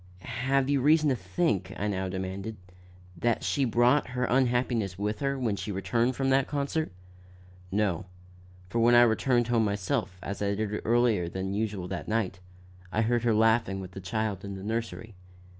"Have you reason to think," I now demanded, "that she brought her unhappiness in with her, when she returned from that concert?" "No; for when I returned home myself, as I did earlier than usual that night, I heard her laughing with the child in the nursery.